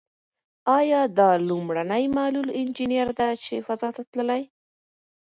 ایا دا لومړنۍ معلول انجنیر ده چې فضا ته تللې؟